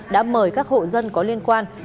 đã mời các hộ dân có liên quan